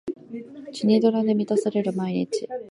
チュニドラで満たされる毎日